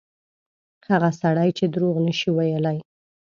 هغه سړی چې دروغ نه شي ویلای.